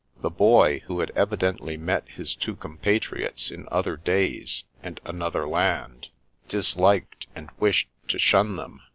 The Boy, who had evidently met his two compatriots in other days and another land, disliked and wished to shun them.